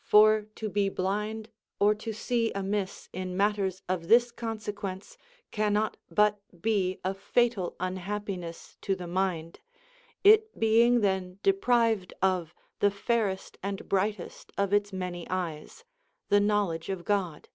For to be blind or to see amiss in matters of this consequence cannot but be a fatal unhappiness to the mind, it being then deprived of the fairest and brightest of its many eyes, the knowledge of God.